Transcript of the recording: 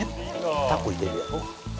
タコ入れるやろ。